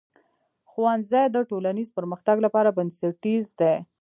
ښوونځی د ټولنیز پرمختګ لپاره بنسټیز دی.